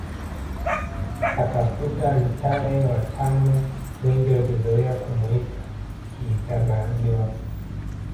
Akafuta Ntare wa tano wengi wakizoea kumuita Kiitabanyoro